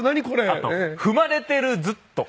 あと踏まれてるずっと。